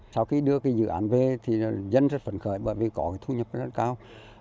sau khi đưa cái dự án về thì dân rất phấn khởi bởi vì có cái thu nhập rất cao